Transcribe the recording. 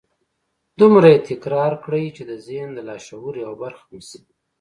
دومره يې تکرار کړئ چې د ذهن د لاشعور يوه برخه مو شي.